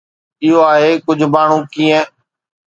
اهو آهي ڪجهه ماڻهو ڪيئن